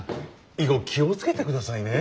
以後気を付けてくださいね。